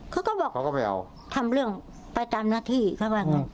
เขาก็บอกทำเรื่องไปตามหน้าที่เขาว่าอย่างไร